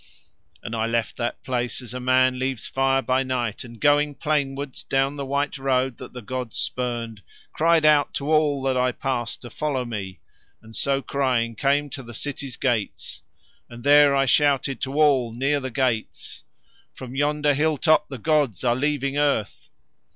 And I left that place as a man leaves fire by night, and going plainwards down the white road that the gods spurned cried out to all that I passed to follow me, and so crying came to the city's gates. And there I shouted to all near the gates: 'From yonder hilltop the gods are leaving earth.